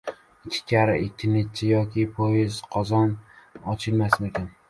Ikki karra ikki nechchi? Yoki «yopiq qozon» ochilmasinmi?